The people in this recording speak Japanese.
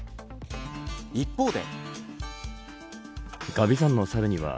一方で。